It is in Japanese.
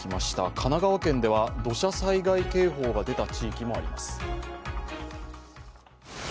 神奈川県では土砂災害警戒が出た地域もあります。